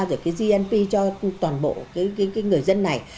rồi cái gnp cho toàn bộ người dân này